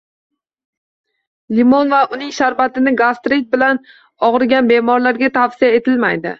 Limon va uning sharbati gastrit bilan og‘rigan bemorlarga tavsiya etilmaydi.